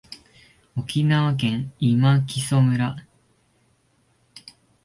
沖縄県今帰仁村